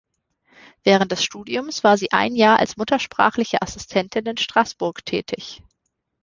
Während des Studiums war sie ein Jahr als Muttersprachliche Assistentin in Straßburg tätig.